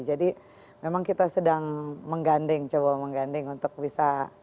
jadi memang kita sedang mengganding coba mengganding untuk bisa